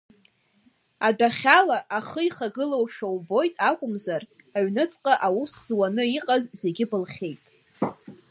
Адәахьала ахы ихагылоушәа убоит акәымзар, аҩнуҵҟа аус зуаны иҟаз зегьы былхьеит.